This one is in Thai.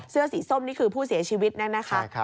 เสื้อสีส้มนี่คือผู้เสียชีวิตนะคะ